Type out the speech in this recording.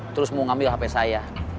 terus mau ngambil hp saya